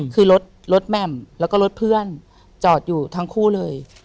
คือรถรถแหม่มแล้วก็รถเพื่อนจอดอยู่ทั้งคู่เลย